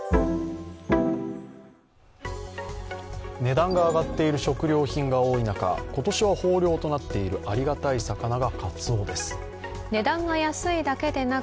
値段が上がっている食料品が多い中今年は豊漁となっているありがたい魚が、かつおです。